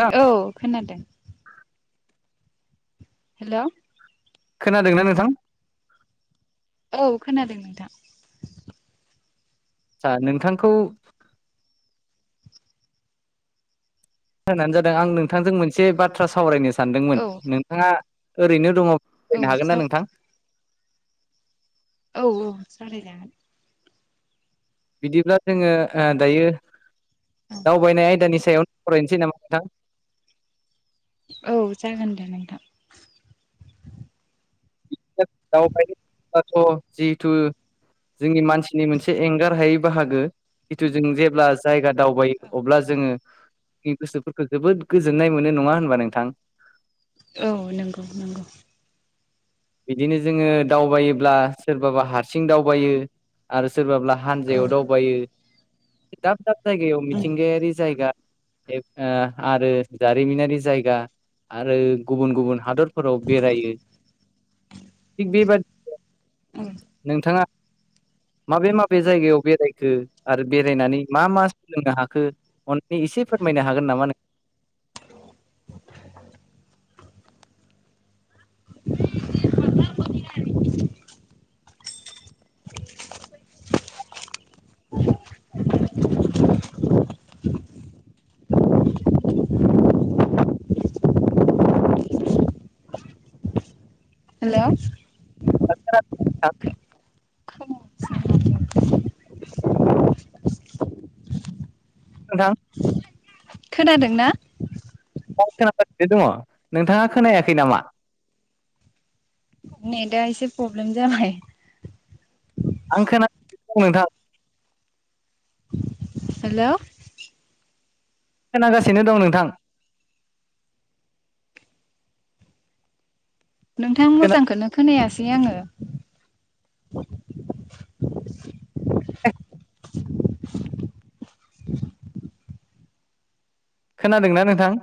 थां औ खोनादों। हेलौ खोनादोंना नोंथां? औ खोनादों नोंथां। सा नोंथांखौ होननानो जादों आं नोंथांजों मोनसे बाथ्रा सावरायनो सानदोंमोन औ नोंथाङा ओरैनो दङ औ फैनो हागोन साव ना नोंथां? औ औ सावरायजागोन। बिदिब्ला जोङो ओ दायो दावबायनाय आयदानि साय सायावनो फरायनोसै नामा नोंथां? औ जागोन दे नोंथां। [unintelligible] दावबायथ' जिहेथु जोंनि मानसिनि मोनसे एंगार हायै बाहागो। जिथु जों जेब्ला जायगा दावबायायो अब्ला जोङो। नि गोसोफोरखौ जोबोद गोजोननाय मोनो नङा होनबा नोंथां? औ नंगौ नंगौ। बिदिनो जोङो दावबायोब्ला सोरबाबा हारसिं दावबायो आरो। सोरबाब्ला औ हानजायाव दावबायो दाब दाब जायगायाव उम मिथिंगायारि जायगा एक ओ आरो जारिमिनारि जायगा। आरो गुबुन गुबुन हादरफोराव बेरायो। बेबाद उम नोंथाङा। माबे माबे जायगायाव बेरायखो आरो बेरायनानै मा मा सोलोंनो हाखो अननै एसे फोरमायनो हागोन नामा नों? हेलौ। नोंथां नोंथां। खोनादोंना? औ खोनागासिनो दङ ।नोंथाङा खोनायाखै नामा? नेदा इसे प्रब्लेम जाबाय। आं खोना गासिनो दं नोंथां। हेलौ। खोनागासिनो दं नोंथां। नोंथां खोना मोजांखोनो खोनायास दि आङो। [inaudible] खोनादोंना नोंथां?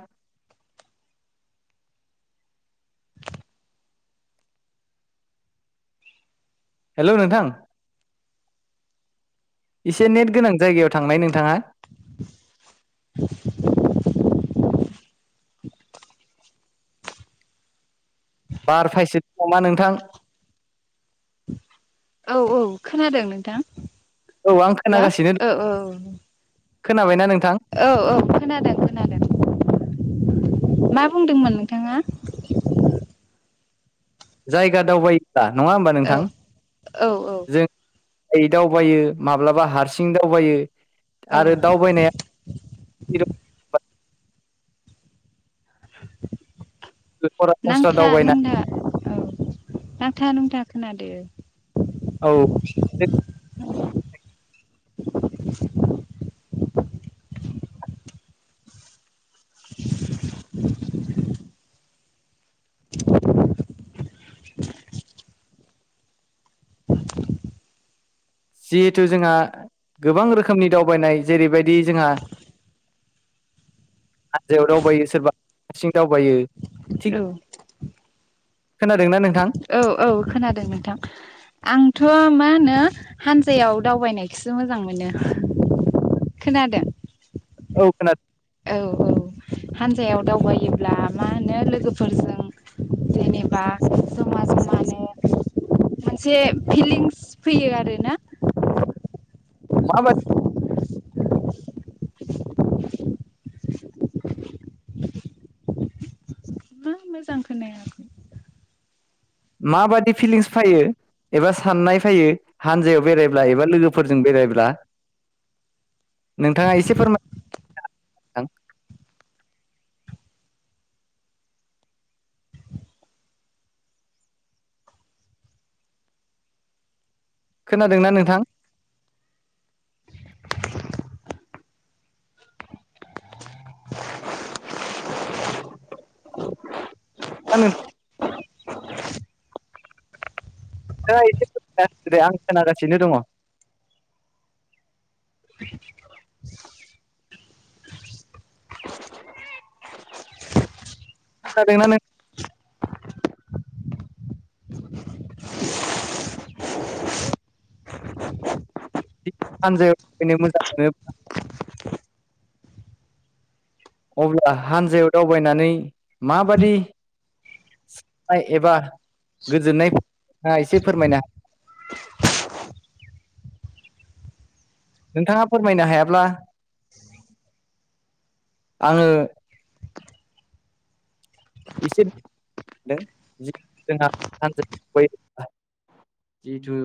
हेल्ल' नोंथां। एसे नेट गोनां जायगायाव थांनाय नोंथाङा। [inaudible] बार फायसो दों नामा नोंथां? औ औ खोनादों नोंथां? औ आं हेल्ल' खोनागासिनो ओ औ खोनाबायना नों? औ औ खोनादों खोनादों। मा बुंदोंमोन नोंथाङा? जायगा दावबायोब्ला नङा होमबा औ नोंथां औ औ जों यै दावबायो माब्लाबा हारसिं दावबायो औ आरो दावबायनाया [inaudible] सरासनस्रा नांथा दावबायनाय नांथा औ नांथा नुंथा खोनादो। औ नेद [unintelligible] जिहेथु जोंहा गोबां रोखोमनि दावबायनाय जेरैबायदि जोंहा हानजायाव दावबायो सोरबा हारसिं दावबायो थिग औ। खोनादोंना नोंथां? औ औ खोनादों नोंथां। आंथ' मा होनो हानजायाव दावबायनायखौसो मोजां मोनो। खोनादों? औ खोना औ औ हानजायाव दावबायोब्ला मा होनो लोगोफोरजों जेनेबा समाज मानो मोनसे फिलिंस फैयो आरोना मा बाद- मा मोजां खोनाया। माबादि फिलिंस फायो? एबा साननाय फायो हानजायाव बेरायब्ला एबा लोगोफोरजों बेरायब्ला नोंथाङा एसे फोरमाय [unintelligible] खोनादोंना नोंथां? [unintelligible] नोंथांङा एसे [unintelligible] होदो दे आं खोनागासिनो दङ। खोनादोंना नों? हानजायाव [unintelligible] अब्ला हानजायाव दावबायनानै माबादि नाय एबा गोजोननाय एसे फोरमायना [unintelligible] नोंथाङा फोरमायनो हायाब्ला? आङो। [unintelligible] जिथु